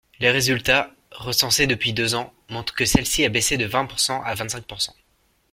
Les résultats, recensés depuis deux ans, montrent que celle-ci a baissé de vingtpourcent à vingt-cinqpourcent.